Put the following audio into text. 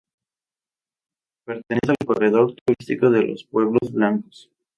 Pertenece al corredor turístico de Los Pueblos Blancos.